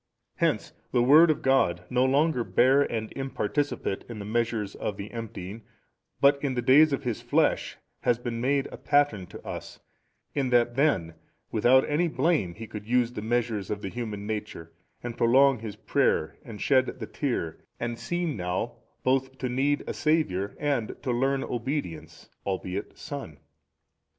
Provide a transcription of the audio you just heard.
Hence the Word of God no longer bare and imparticipate in the measures of the emptying but in the days of His flesh has been made a pattern to us; in that then without any blame He could use the measures of the human nature and prolong His prayer and shed the tear 47 and seem now both to need a Saviour and |289 to learn obedience, albeit Son.